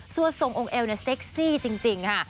ส่วนทรงองค์เอวเนี่ยเซ็กซี่จริงค่ะ